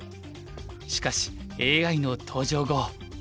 しかしＡＩの登場後。